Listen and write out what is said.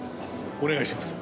お願いします。